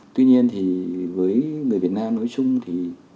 tuy nhiên thì với người việt nam nói chung thì